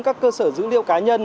các cơ sở dữ liệu cá nhân